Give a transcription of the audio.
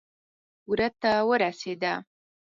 وره ته ورسېده.